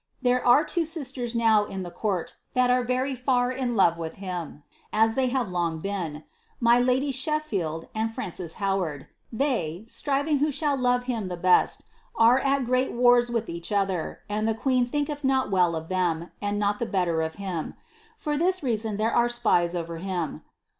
There are two sisters DOW in the court that are very far in love with him, as they long have been; my lady Sheffield' and Frances Howard, they (striving who shall love him the best) are at great wars with each other, and the queen thinketh not well of them, and not the better of him : for this reason there are spies over him.